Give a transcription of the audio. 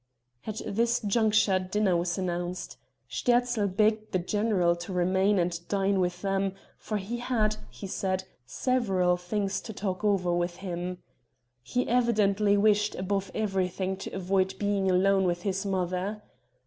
At this juncture dinner was announced. Sterzl begged the general to remain and dine with them, for he had, he said, several things to talk over with him. He evidently wished above everything to avoid being alone with his mother.